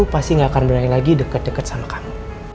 pasti gak akan berani lagi deket deket sama kamu